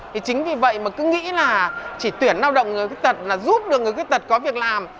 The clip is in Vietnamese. thì chính vì vậy mà cứ nghĩ là chỉ tuyển lao động người khuyết tật là giúp được người khuyết tật có việc làm